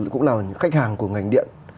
cũng là khách hàng của ngành điện